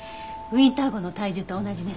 ウィンター号の体重と同じね。